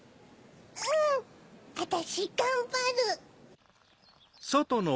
うんあたしがんばる。